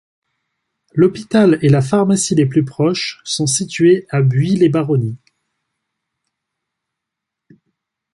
L'hôpital et la pharmacie les plus proches sont situés à Buis-les-Baronnies.